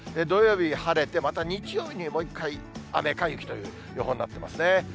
土曜日晴れて、また日曜日にもう１回雨か雪という予報になっていますね。